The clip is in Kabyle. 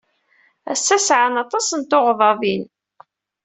Ass-a, sɛan aṭas n tuɣdaḍin.